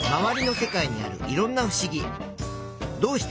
どうして？